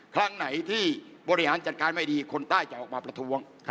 ครั้งไหนที่บริหารจัดการไม่ดีคนใต้จะออกมาประท้วง